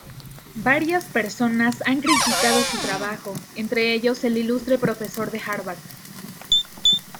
Varias personas han criticado su trabajo entre ellos el ilustre profesor de Harvard.